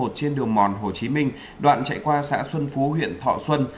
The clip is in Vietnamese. trên đường mòn hồ chí minh đoạn chạy qua xã xuân phú huyện thọ xuân